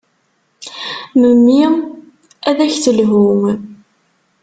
Memmi ad ak-telhu.